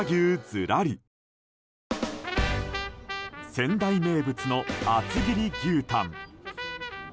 仙台名物の厚切り牛タン。